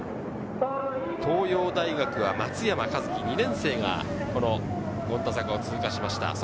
東洋大学は松山和希２年生が、権太坂を通過しました。